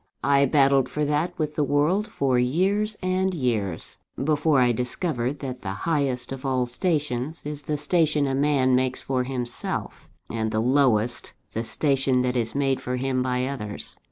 I battled for that with the world for years and years, before I discovered that the highest of all stations is the station a man makes for himself: and the lowest, the station that is made for him by others.